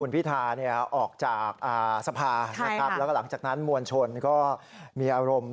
พิธาออกจากสภานะครับแล้วก็หลังจากนั้นมวลชนก็มีอารมณ์